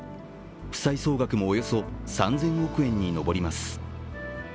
負債総額もおよそ３０００億円に上ります。